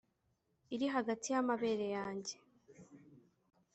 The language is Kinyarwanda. Iri hagati y’amabere yanjye.